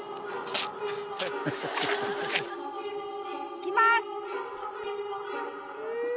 いきます！